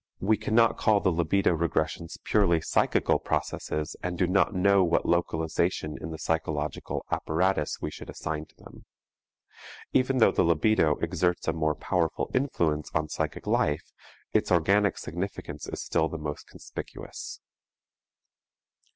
We cannot call the libido regressions purely psychical processes and do not know what localization in the psychological apparatus we should assign to them. Even though the libido exerts a most powerful influence on psychic life, its organic significance is still the most conspicuous.